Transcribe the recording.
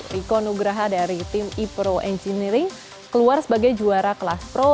riko nugraha dari tim e pro engineering keluar sebagai juara kelas pro